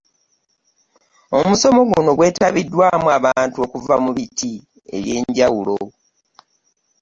Omusomo guno gwetabiddwamu abantu okuva mu biti ebyenjawulo.